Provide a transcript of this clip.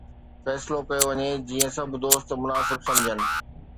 فيصلو ڪيو وڃي جيئن سڀ دوست مناسب سمجهن.